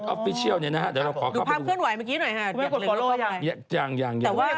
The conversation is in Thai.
ดูภาพเครื่องไว้เมื่อกี้หน่อยฮะอยากเรียกว่ายังไงอยากเรียกว่าโลกหรอก